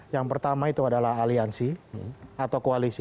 yang pertama itu adalah aliansi atau koalisi